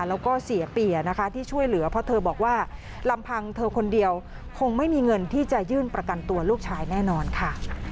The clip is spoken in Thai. แล้วก็เสียเปียนะคะที่ช่วยเหลือเพราะเธอบอกว่าลำพังเธอคนเดียวคงไม่มีเงินที่จะยื่นประกันตัวลูกชายแน่นอนค่ะ